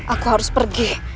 aku harus pergi